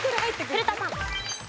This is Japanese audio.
古田さん。